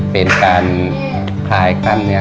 เป็นการคลายกล้ามเนื้อ